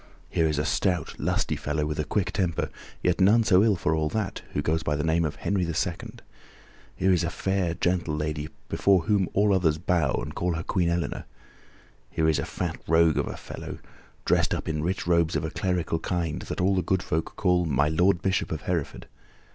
Here is a stout, lusty fellow with a quick temper, yet none so ill for all that, who goes by the name of Henry II. Here is a fair, gentle lady before whom all the others bow and call her Queen Eleanor. Here is a fat rogue of a fellow, dressed up in rich robes of a clerical kind, that all the good folk call my Lord Bishop of Hereford.